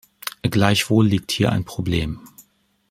Gleichwohl liegt hier ein Problem.